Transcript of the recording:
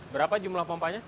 berapa jumlah pompanya